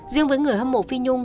riêng với người hâm mộ phi nhung